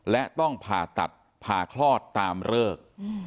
และต้องผ่าตัดผ่าคลอดตามเลิก